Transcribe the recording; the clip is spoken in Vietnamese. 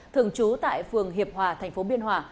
thường trú tại phường hiệp hòa tp biên hòa